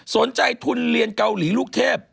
สนใจทุนเรียนเกาหลีลูกเทพ